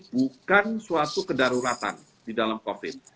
bukan suatu kedaruratan di dalam covid